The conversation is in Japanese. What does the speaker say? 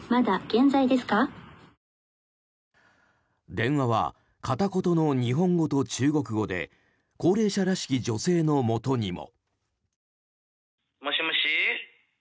電話は片言の日本語と中国語で高齢者らしき女性のもとにも。